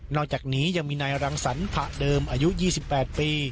อกจากนี้ยังมีนายรังสรรผะเดิมอายุ๒๘ปี